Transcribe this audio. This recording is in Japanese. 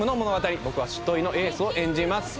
僕は執刀医のエースを演じます。